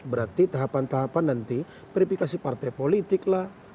berarti tahapan tahapan nanti verifikasi partai politik lah